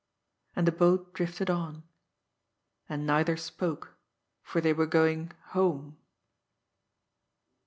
And the boat drifted on. And neither spoke for they were going home.